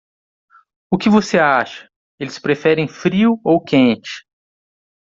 O que você acha? eles preferem frio ou quente?